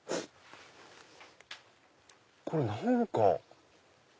これ何か。